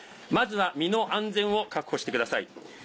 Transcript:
まずは身の安全を確保してください。